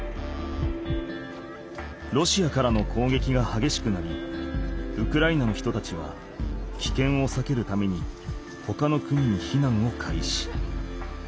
ロシアからの攻撃がはげしくなりウクライナの人たちはきけんをさけるためにほかの国に避難を開始。